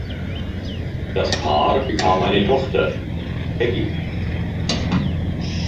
Das Paar bekam eine Tochter, Peggy.